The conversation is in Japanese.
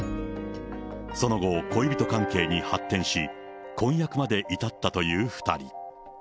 その後、恋人関係に発展し、婚約まで至ったという２人。